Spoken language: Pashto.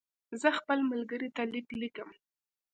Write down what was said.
زه خپل ملګري ته لیک لیکم.